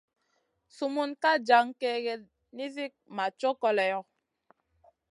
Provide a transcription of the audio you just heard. Sumun ka jan kègèda nizi ma co koleyo.